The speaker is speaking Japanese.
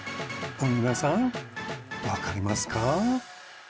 皆さんわかりますか？